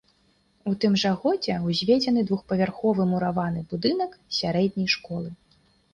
У тым жа годзе ўзведзены двухпавярховы мураваны будынак сярэдняй школы.